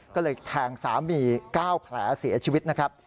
ก็เลยแทงสามี๙แผลเสียชีวิตนะครับ